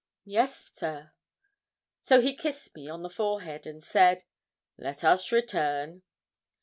'Yes, sir.' So he kissed me on the forehead, and said 'Let us return.'